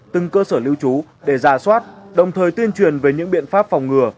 từng cơ sở lưu trú để ra soát đồng thời tuyên truyền về những biện pháp phòng ngừa